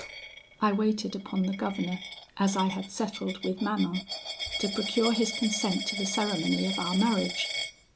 "I waited upon the governor, as I had settled with Manon, to procure his consent to the ceremony of our marriage.